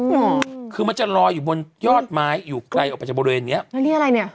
อืมคือมันจะลอยอยู่บนยอดไม้อยู่ไกลออกไปจากบริเวณเนี้ยแล้วนี่อะไรเนี้ย